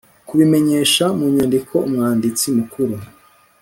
kubimenyesha mu nyandiko umwanditsi mukuru